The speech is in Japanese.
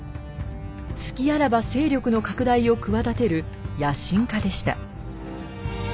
隙あらば勢力の拡大を企てる野心家でした。